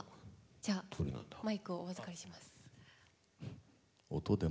じゃあマイクをお預かりします。